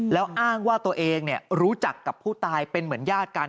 แล้วอ้างว่าตัวเองรู้จักกับผู้ตายเป็นเหมือนญาติกัน